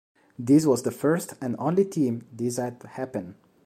This was the first and only team this had happened.